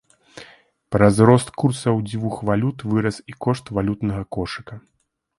Праз рост курсаў дзвюх валют вырас і кошт валютнага кошыка.